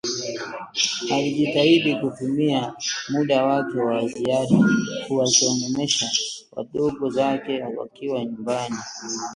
Alijitahidi kutumia muda wake wa ziada kuwasomesha wadogo zake wakiwa nyumbani,